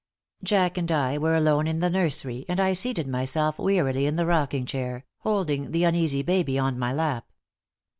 Jack and I were alone in the nursery, and I seated myself wearily in the rocking chair, holding the uneasy baby on my lap.